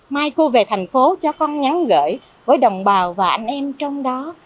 mai cô về thành phố cho con nhắn gửi với đồng bào và anh em trong đó